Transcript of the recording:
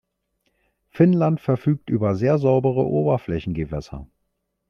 Finnland verfügt über sehr saubere Oberflächengewässer.